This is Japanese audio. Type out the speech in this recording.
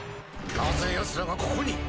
なぜヤツらがここに！